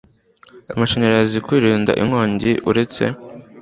amashanyarazi kwirinda inkongi uretse